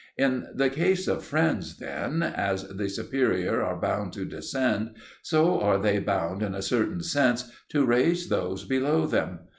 In the case of friends, then, as the superior are bound to descend, so are they bound in a certain sense to raise those below them.